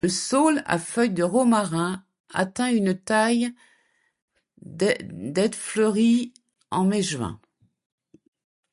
Le saule à feuilles de romarin atteint une taille d' et fleurit en mai-juin.